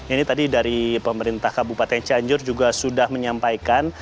ini tadi dari pemerintah kabupaten cianjur juga sudah menyampaikan